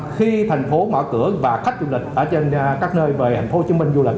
khi thành phố mở cửa và khách du lịch ở trên các nơi về thành phố hồ chí minh du lịch